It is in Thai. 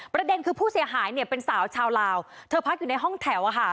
ประเด็นคือผู้เสียหายเนี่ยเป็นสาวชาวลาวเธอพักอยู่ในห้องแถว